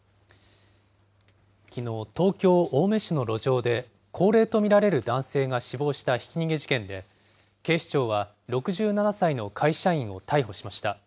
きのう、東京・青梅市の路上で、高齢と見られる男性が死亡したひき逃げ事件で、警視庁は６７歳の会社員を逮捕しました。